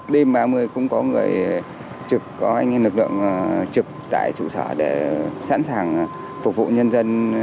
đêm ba mươi cũng có người trực có anh lực lượng trực tại trụ sở để sẵn sàng phục vụ nhân dân